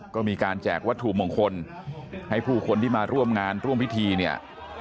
ก็มีการแจกวัตถุมงคลให้ผู้คนที่มาร่วมงานร่วมพิธีเนี่ย